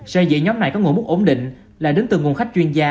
xây dựng nhóm này có nguồn mức ổn định là đến từ nguồn khách chuyên gia